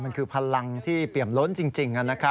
มันคือพลังที่เปี่ยมล้นจริง